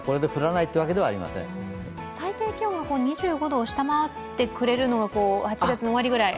最低気温が２５度を下回ってくれるのが８月の終わりくらい。